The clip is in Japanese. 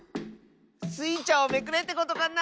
スイちゃんをめくれってことかな